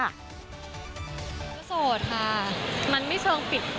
ก็โสดค่ะมันไม่เชิงปิด